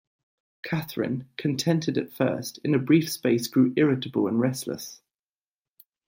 Catherine, contented at first, in a brief space grew irritable and restless.